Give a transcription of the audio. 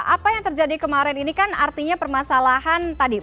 apa yang terjadi kemarin ini kan artinya permasalahan tadi